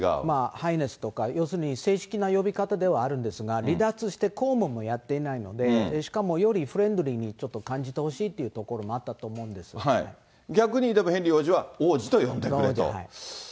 ハイネスとか、まあ、正式な呼び方ではあるんですが、離脱して公務もやっていないので、しかもよりフレンドリーにちょっと感じてほしいというところもあ逆にでも、ヘンリー王子は王子と呼んでくれと。